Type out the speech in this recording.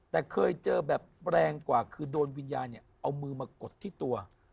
แต่เคยเจอแบบแรงกว่าคือโดนวิญญาณเนี่ยเอามือมากดที่ตัว